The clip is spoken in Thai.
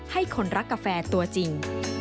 ให้คนรักกาแฟตัวจริง